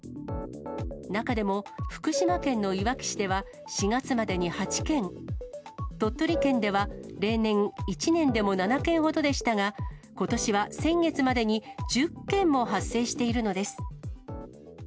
中でも福島県のいわき市では４月までに８件、鳥取県では例年、１年でも７件ほどでしたが、ことしは先月までに１０件も発生しているのです。